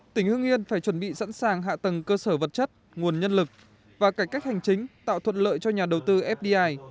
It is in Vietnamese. tỉnh hưng yên phải chuẩn bị sẵn sàng hạ tầng cơ sở vật chất nguồn nhân lực và cải cách hành chính tạo thuận lợi cho nhà đầu tư fdi